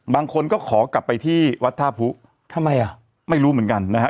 บางคนก็ขอกลับไปที่วัดท่าผู้ทำไมอ่ะไม่รู้เหมือนกันนะฮะ